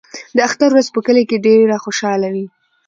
د اختر ورځ په کلي کې ډېره خوشحاله وي.